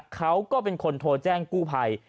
เขาก็เป็นคนโทรแจ้งกู้ภัย